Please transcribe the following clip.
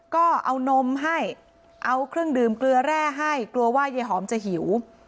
ก็เอานมให้เอาเครื่องดื่มเกลือแร่ให้กลัวว่ายายหอมจะหิว